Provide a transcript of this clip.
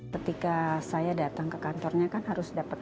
ketika saya datang ke kantornya kan harus dapat